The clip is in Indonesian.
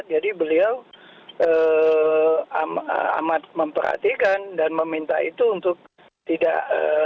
jadi beliau amat memperhatikan dan meminta itu untuk tidak